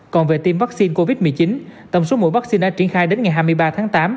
còn về tiêm vaccine covid một mươi chín tổng số mỗi vaccine đã triển khai đến ngày hai mươi ba tháng tám